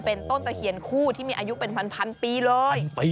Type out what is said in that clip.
เป็นต้นตะเขียนคู่ที่จะใหม่อายุเป็นพันปี